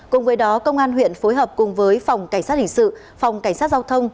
cùng với đó công an huyện phối hợp cùng với phòng cảnh sát hình sự phòng cảnh sát giao thông